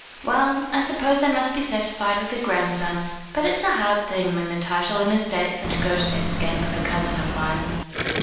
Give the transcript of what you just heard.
Well, I suppose I must be satisfied with a grandson; but it's a hard thing that the title and estates are to go to that scamp of a cousin of mine."